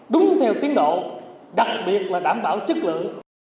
đúng theo tiến độ đặc biệt là đảm bảo chất lượng